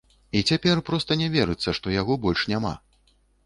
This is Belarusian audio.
І цяпер проста не верыцца, што яго больш няма.